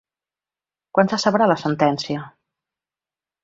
Quan se sabrà la sentència?